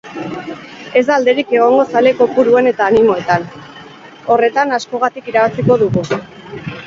Ez da alderik egongo zale kpouruan eta animoetan, horretan askogatik irabaziko dugu.